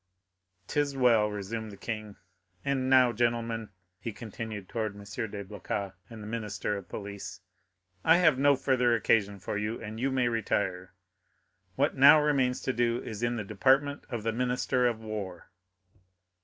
"'Tis well," resumed the king. "And now, gentlemen," he continued, turning towards M. de Blacas and the minister of police, "I have no further occasion for you, and you may retire; what now remains to do is in the department of the minister of war."